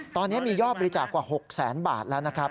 ตอนนี้มียอดบริจาคกว่า๖แสนบาทแล้วนะครับ